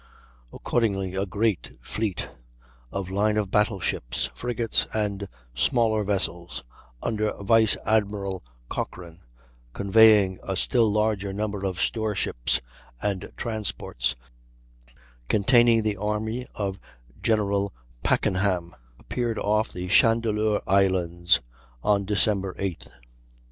Accordingly a great fleet of line of battle ships, frigates, and smaller vessels, under Vice Admiral Cochrane, convoying a still larger number of store ships and transports, containing the army of General Packenham, appeared off the Chandeleur Islands on Dec. 8th.